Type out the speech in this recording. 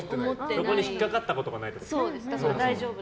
そこに引っかかったことがないと。